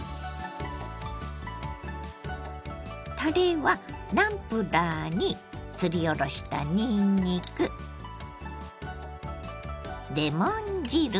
たれはナムプラーにすりおろしたにんにくレモン汁